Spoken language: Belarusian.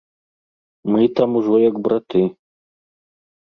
Мы там ужо як браты.